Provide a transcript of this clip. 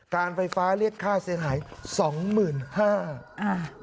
การไฟฟ้าเรียกค่าเสียหาย๒๕๐๐บาท